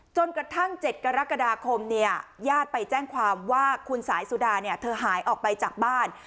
จนกระทั่ง๗กรกฎาคมเนี่ยญาติไปแจ้งความว่าคุณสายสุดาเนี่ยเธอหายออกไปจากบ้าน